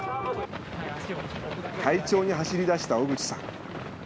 快調に走りだした小口さん。